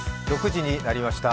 ６時になりました。